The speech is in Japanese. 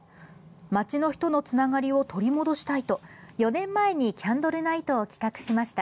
街の人のつながりを取り戻したいと４年前にキャンドルナイトを企画しました。